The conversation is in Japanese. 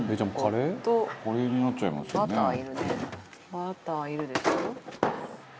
バターいるでしょ？